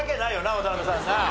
渡辺さんな。